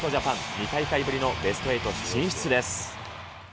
２大会ぶりのベスト８進出です。